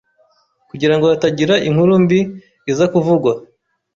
kugirango hatagira inkuru mbi iza kuvugwa